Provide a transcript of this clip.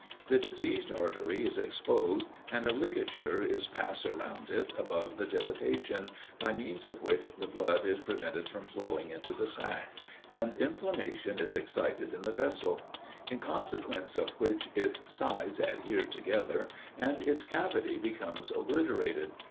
The diseased artery is exposed, and a ligature is passed around it, above the dilatation, by means of which the blood is prevented from flowing into the sac, and inflammation is excited in the vessel; in consequence of which its sides adhere together, and its cavity becomes obliterated.